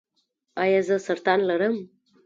ایا زه سرطان لرم؟